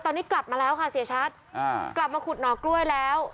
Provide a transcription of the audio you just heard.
ตอนนี้กลับมาแล้วค่ะเสียชัดอ่ากลับมาขุดหน่อกล้วยแล้ว